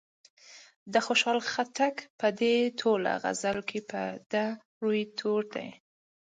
د خوشال خټک په دې ټوله غزل کې ب د روي توری دی.